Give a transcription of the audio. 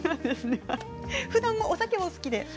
ふだん、お酒はお好きで？